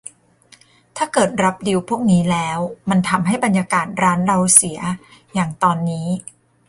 ถ้าเกิดรับดีลพวกนี้แล้วมันทำให้บรรยากาศร้านเราเสีย อย่างตอนนี้